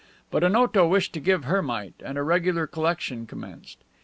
But Onoto wished to give her mite, and a regular collection commenced.